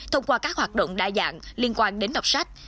thông qua các hoạt động đa dạng liên quan đến đọc sách